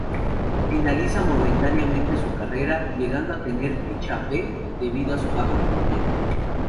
Finaliza momentáneamente su carrera, llegando a tener ficha "B" debido a su bajo rendimiento.